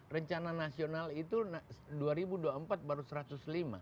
rencana nasional itu dua ribu dua puluh empat baru satu ratus lima